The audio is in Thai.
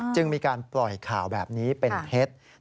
จึงมีการปล่อยข่าวแบบนี้เป็นเท็จ